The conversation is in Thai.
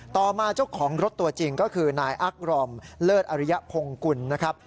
ต่อมาเจ้าของรถตัวจริงก็คือนายอักรอมเลิศอริยพงกุลนะครับ